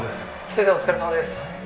先生お疲れさまです。